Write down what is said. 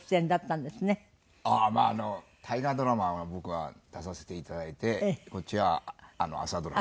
まああの大河ドラマを僕は出させていただいてこっちは朝ドラか。